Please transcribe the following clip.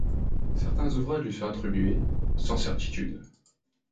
Certains ouvrages lui sont attribués sans certitude.